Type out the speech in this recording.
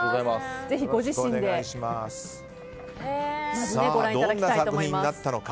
ぜひご自身でご覧いただきたいと思います。